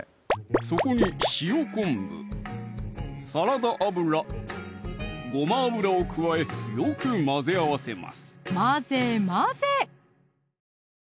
そこに塩昆布・サラダ油・ごま油を加えよく混ぜ合わせます